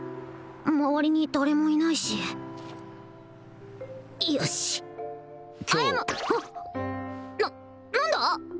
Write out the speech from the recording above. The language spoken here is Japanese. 周りに誰もいないしよし歩な何だ？